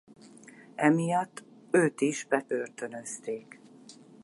Emiatt őt is bebörtönözték.